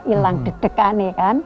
ilang deg degane kan